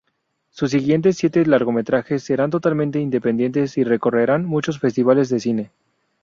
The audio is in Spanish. Sus siguientes siete largometrajes serán totalmente independientes y recorrerán muchos festivales de cine.